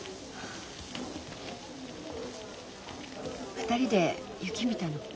２人で雪見たの。